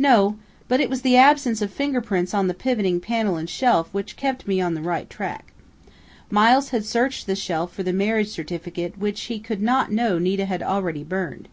"No. But it was the absence of fingerprints on the pivoting panel and shelf which kept me on the right track. Miles had searched the shelf for the marriage certificate which he could not know Nita had already burned.